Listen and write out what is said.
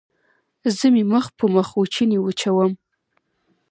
زه مې مخ په مخوچوني وچوم.